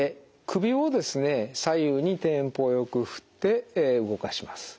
左右にテンポよく振って動かします。